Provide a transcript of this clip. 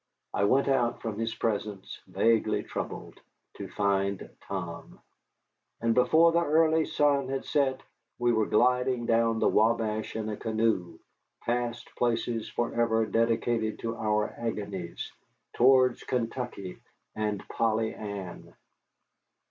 I went out from his presence, vaguely troubled, to find Tom. And before the early sun had set we were gliding down the Wabash in a canoe, past places forever dedicated to our agonies, towards Kentucky and Polly Ann.